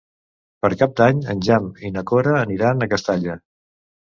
Per Cap d'Any en Jan i na Cora aniran a Castalla.